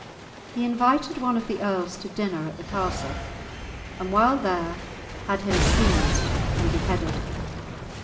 He invited one of the earls to dinner at the castle, and while there had him seized and beheaded.